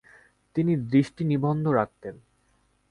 তিনি দৃষ্টি নিবদ্ধ রাখতেন।